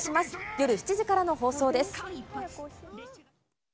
夜７時からの放送です。